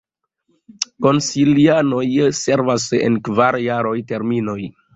Konsilianoj servas en kvar-jaraj terminoj.